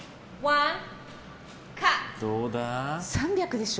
３００でしょ。